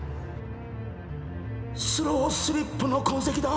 スロースリップの痕跡だ